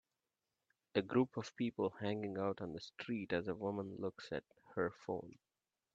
A group of people hanging out on the street as a woman looks at her phone.